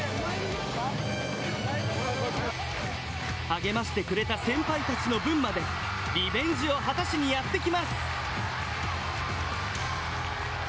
励ましてくれた先輩たちの分までリベンジを果たしにやってきます！